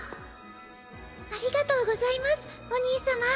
ありがとうございますおにいさま。